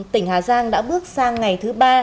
tỉnh hà giang đã bước sang ngày thứ ba